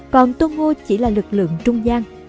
còn tôn ngô chỉ là lực lượng trung gian